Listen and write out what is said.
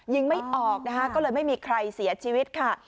ยิงไม่ออกก็เลยไม่มีใครเสียชีวิตค่ะ